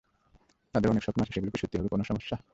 তাদের অনেক স্বপ্ন আছে, সেগুলো কি সত্যি হবে কোনো সমস্যা?